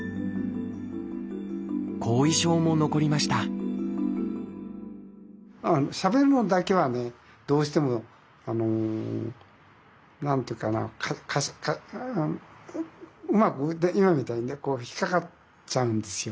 後遺症も残りましたしゃべるのだけはねどうしても何ていうかなかかすかうまく今みたいにね引っ掛かっちゃうんですよ。